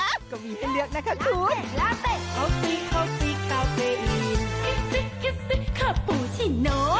อ๊ะก็มีให้เลือกนะคะคุณ